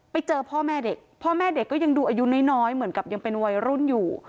พ่อแม่เด็กพ่อแม่เด็กก็ยังดูอายุน้อยเหมือนกับยังเป็นวัยรุ่นอยู่